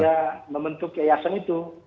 ya membentuk yayasan itu